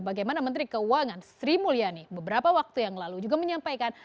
bagaimana menteri keuangan sri mulyani beberapa waktu yang lalu juga menyampaikan